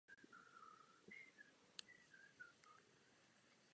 Dnes terasy vystupují z velkého trávníku pod nimi.